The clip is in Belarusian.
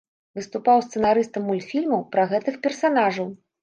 Выступаў сцэнарыстам мультфільмаў пра гэтых персанажаў.